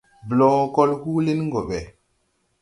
Blo kol huulin go ɓɛ.